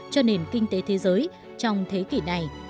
cho nền kinh tế thế giới trong thế kỷ này